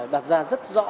đạt ra rất rõ